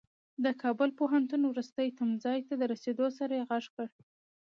د کابل پوهنتون وروستي تمځای ته د رسېدو سره يې غږ کړ.